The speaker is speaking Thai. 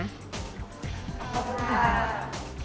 ขอบคุณครับ